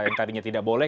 yang tadinya tidak boleh